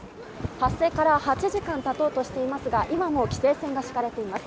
発生から８時間経とうとしていますが、今も規制線が敷かれています。